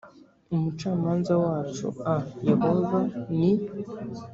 umucamanza wacu a yehova ni